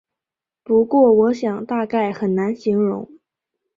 不过我想大概很难形容